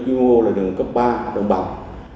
quy mô là đường cấp ba đồng bằng